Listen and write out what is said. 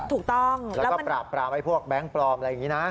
ถูกต้องแล้วก็ปราบปรามไอ้พวกแก๊งปลอมอะไรอย่างนี้นะ